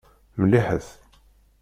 Melliḥet.